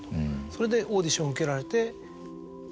それでオーディションを受けられて。